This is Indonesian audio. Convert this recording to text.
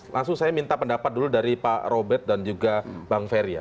langsung saya minta pendapat dulu dari pak robert dan juga bang ferry ya